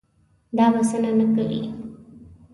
دا بسنه نه کوي.